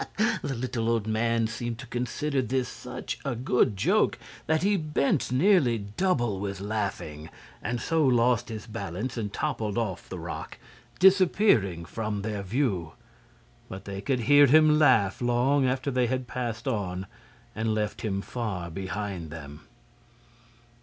The little old man seemed to consider this such a good joke that he bent nearly double with laughing, and so lost his balance and toppled off the rock, disappearing from their view; but they could hear him laugh long after they had passed on and left him far behind them.